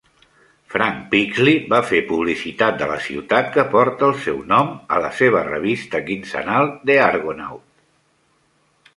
Frank Pixley va fer publicitat de la ciutat que porta el seu nom a la seva revista quinzenal 'The Argonaut'.